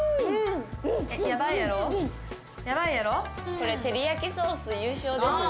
これ照り焼きソース優勝ですね